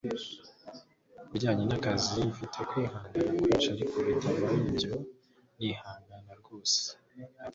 ku bijyanye n'akazi, mfite kwihangana kwinshi, ariko bitabaye ibyo, nihangana rwose. - kratika sengar